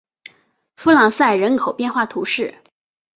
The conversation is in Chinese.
弗朗赛人口变化图示